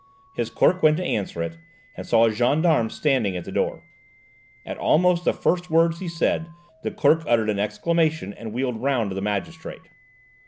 His clerk went to answer it, and saw a gendarme standing at the door. At almost the first words he said, the clerk uttered an exclamation and wheeled round to the magistrate.